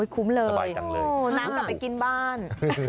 คุ้มเลยน้ำกลับไปกินบ้าน